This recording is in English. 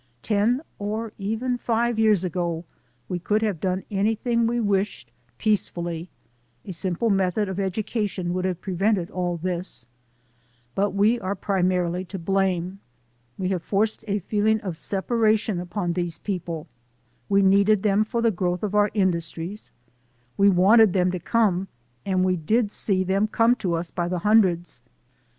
Ten or even five years ago we could have done any thing we wished peacefully ; a simple method of edu cation would have prevented all this. But we are 244 THE SOUL OF AN IMMIGRANT primarily to blame; we have forced a feeling of separation upon these people. We needed them for the growth of our industries, we wanted them to come and we did see them come to us by the hundreds.